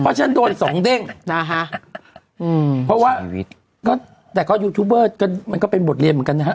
เพราะฉันโดนสองเด้งนะฮะอืมเพราะว่าก็แต่ก็มันก็เป็นบทเรียนเหมือนกันนะฮะ